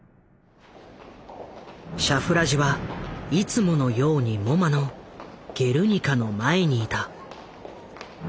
シャフラジはいつものようにＭｏＭＡの「ゲルニカ」の前に居た。